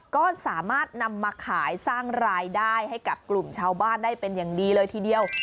ก็สามารถนำมาขายสร้างรายได้ให้กับกลุ่มชาวบ้านได้เป็นอย่างดีเลยทีเดียว